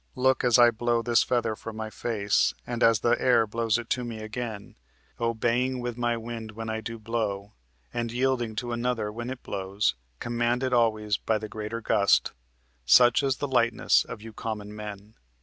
Look, as I blow this feather from my face, And as the air blows it to me again, Obeying with my wind when I do blow, And yielding to another when it blows, Commanded always by the greater gust, Such is the lightness of you common men."